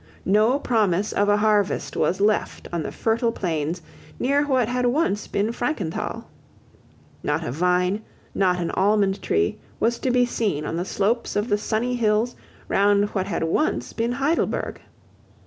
No promise of a harvest was left on the fertile plains near what had once been Frankenthal. Not a vine, not an almond tree, was to be seen on the slopes of the sunny hills round what had once been Heidelberg.